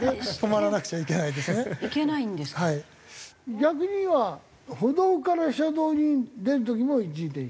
逆に言えば歩道から車道に出る時も一時停止？